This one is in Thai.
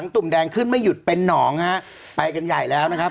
ตุ่มแดงขึ้นไม่หยุดเป็นหนองฮะไปกันใหญ่แล้วนะครับ